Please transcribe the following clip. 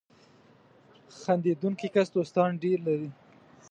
• خندېدونکی کس دوستان ډېر لري.